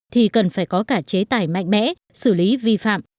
thì cần phải có cả chế tài mạnh mẽ xử lý vi phạm